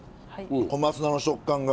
小松菜の食感が。